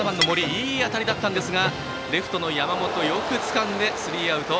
いい当たりだったんですがレフトの山本がよくつかんでスリーアウト。